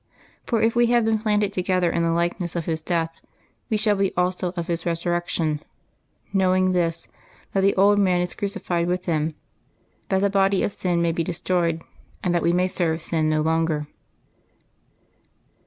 For if we have been planted together in the like ness of His death, we shall be also of His resurrection, knowing this, that the old man is crucified with Him, that the body of sin may be destroyed, and that we may serve sin no longer.''